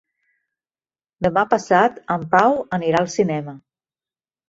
Demà passat en Pau anirà al cinema.